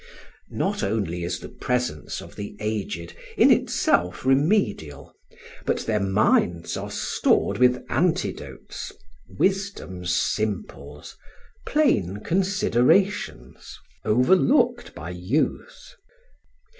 Not only is the presence of the aged in itself remedial, but their minds are stored with antidotes, wisdom's simples, plain considerations overlooked by youth.